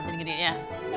jangan gede gede ya